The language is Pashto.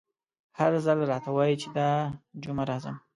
هر ځل راته وايي چې دا جمعه راځم….